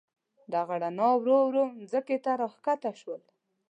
دغه رڼا ورو ورو مځکې ته راکښته شول.